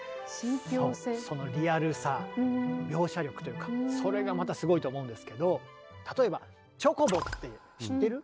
そうそのリアルさ描写力というかそれがまたすごいと思うんですけど例えばチョコボって知ってる？